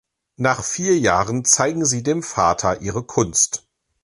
Nach vier Jahren zeigen sie dem Vater ihre Kunst.